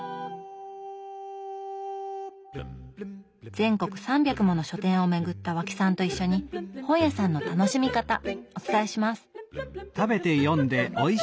全国３００もの書店を巡った和氣さんと一緒に本屋さんの楽しみ方お伝えします！